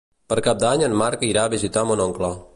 Per Cap d'Any en Marc irà a visitar mon oncle.